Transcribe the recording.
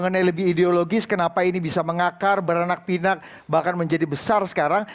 mengenai lebih ideologis kenapa ini bisa mengakar beranak pinak bahkan menjadi besar sekarang